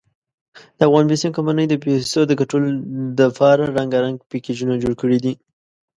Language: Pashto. دافغان بېسیم کمپنۍ د پیسو دګټلو ډپاره رنګارنګ پېکېجونه جوړ کړي دي.